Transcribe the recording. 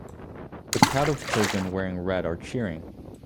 A crowd of children wearing red are cheering